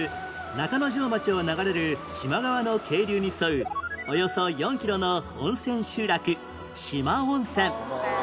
中之条町を流れる四万川の渓流に沿うおよそ４キロの温泉集落四万温泉